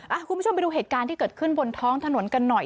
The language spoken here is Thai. คุณผู้ชมไปดูเหตุการณ์ที่เกิดขึ้นบนท้องถนนกันหน่อย